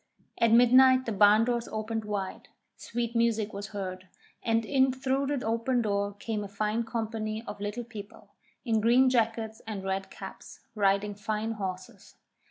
At midnight the barn doors opened wide, sweet music was heard, and in through the open door came a fine company of Little People, in green jackets and red caps, riding fine horses.